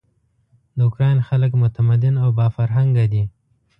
د اوکراین خلک متمدن او با فرهنګه دي.